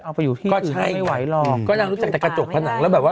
ไปอยู่ที่ก็ใช่ไม่ไหวหรอกก็นางรู้จักแต่กระจกผนังแล้วแบบว่า